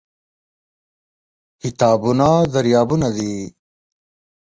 کتابونه دریابونه دي.